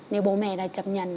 nếu bố mẹ đã chấp nhận